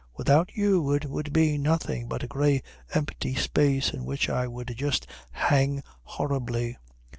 Without you it would be nothing but grey empty space in which I would just hang horribly."